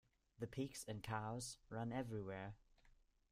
The pigs and cows ran everywhere.